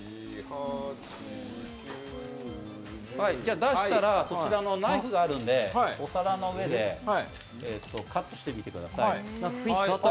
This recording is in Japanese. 出したらこちらのナイフがあるんでお皿の上でカットしてみてください。